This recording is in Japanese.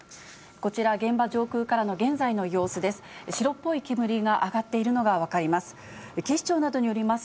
こちら、現場上空からの現在の様子です。